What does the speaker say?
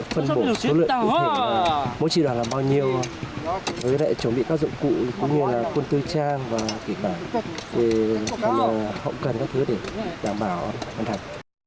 phân bổ số lượng cụ thể mỗi tri đoàn làm bao nhiêu chuẩn bị các dụng cụ cũng như là quân tư trang và kỹ bản hậu cần các thứ để đảm bảo an toàn